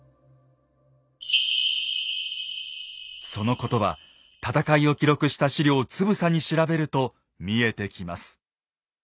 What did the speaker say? そのことは戦いを記録した史料をつぶさに調べると見えてきます。